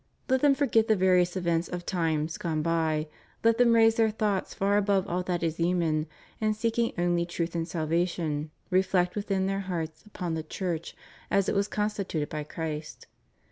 Let them forget the various events of times gone by, let them raise their thoughts far above all that is human, and seeking only truth and salvation, reflect within their hearts upon the Church as it was constituted by Christ.